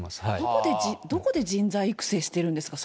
どこで人材育成してるんですか？